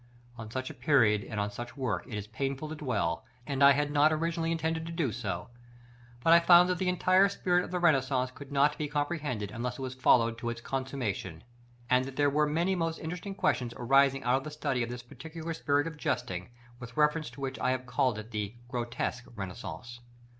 On such a period, and on such work, it is painful to dwell, and I had not originally intended to do so; but I found that the entire spirit of the Renaissance could not be comprehended unless it was followed to its consummation; and that there were many most interesting questions arising out of the study of this particular spirit of jesting, with reference to which I have called it the Grotesque Renaissance.